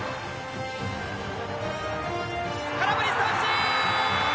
空振り三振！